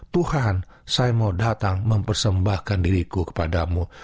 tuhan saya mau datang mempersembahkan diriku kepadamu